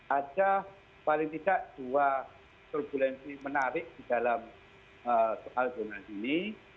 ada paling tidak dua turbulensi menarik di dalam soal zonasi ini